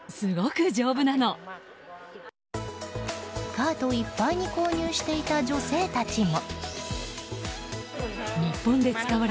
カートいっぱいに購入していた女性たちも。